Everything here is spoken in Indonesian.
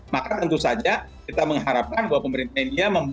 maka tentu saja kita mengharapkan bahwa pemerintah india